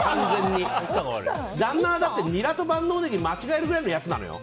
旦那はニラと万能ネギを間違えるぐらいのやつなのよ。